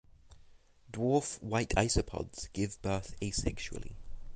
Dwarf white isopods give birth asexually.